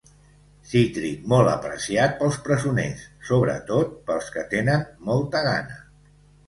Cítric molt apreciat pels presoners, sobretot pels que tenen molta gana.